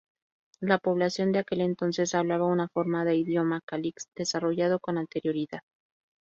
La población de aquel entonces hablaba una forma de idioma Kalix desarrollado con anterioridad.